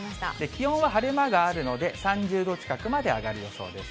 気温は晴れ間があるので、３０度近くまで上がる予想です。